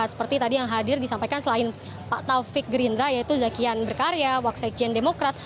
seperti tadi yang hadir disampaikan selain pak taufik gerindra yaitu zakian berkarya waksekjen demokrat